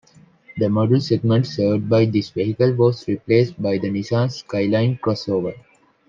The model segment served by this vehicle was replaced by the Nissan Skyline Crossover.